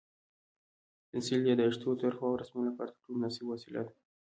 پنسل د یادښتونو، طرحو او رسمونو لپاره تر ټولو مناسبه وسیله ده.